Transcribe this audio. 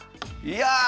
いや！